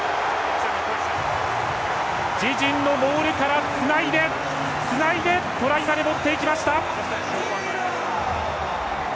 自陣のモールからつないで、つないでトライまで持っていきました！